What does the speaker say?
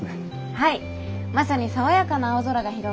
はい。